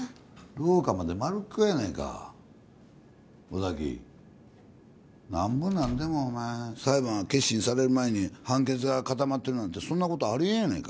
廊下まで丸聞こえやないか尾崎何ぼ何でもお前裁判は結審される前に判決が固まってるなんてそんなことありえへんやないか